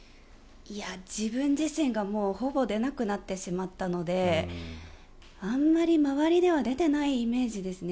自分自身がほぼ出なくなってしまったのであんまり周りでは出ていないイメージですね。